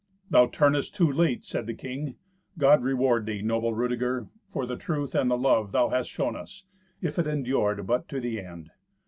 "Thou turnest too late," said the king. "God reward thee, noble Rudeger, for the truth and the love thou hast shown us, if it endure but to the end.